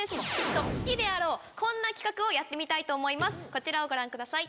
こちらをご覧ください。